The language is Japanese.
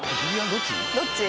どっち？